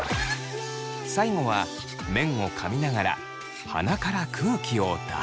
最後は麺をかみながら鼻から空気を出す。